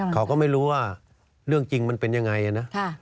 เขาก็ไม่รู้ว่าเรื่องจริงมันเป็นยังไงนะ